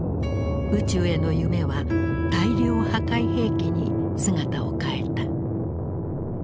宇宙への夢は大量破壊兵器に姿を変えた。